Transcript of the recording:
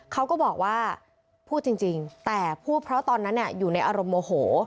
เขาก็บอกว่าพูดจริงแต่พูดเพราะตอนนั้นอยู่ในอารมณ์โมโห